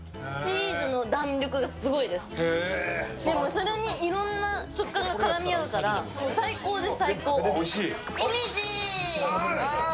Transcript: それにいろんな食感が絡み合うから最高です。